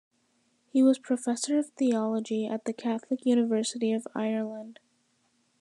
He was Professor of theology at the Catholic University of Ireland.